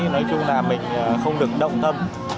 nói chung là mình không được động thâm